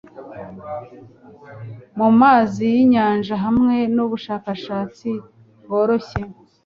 mumazi yinyanja hamwe nubushakashatsi bworoshye